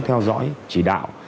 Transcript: theo dõi chỉ đạo